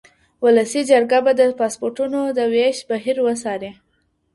ولسي جرګه به د پاسپورټونو د وېش بهير وڅاري.